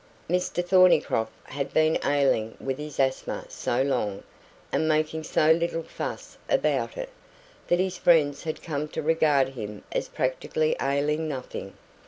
Mr Thornycroft had been ailing with his asthma so long, and making so little fuss about it, that his friends had come to regard him as practically ailing nothing.